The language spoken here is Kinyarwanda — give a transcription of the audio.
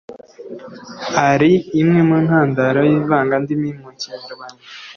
ari imwe mu ntandaro y’ivangandimi mu Kinyarwanda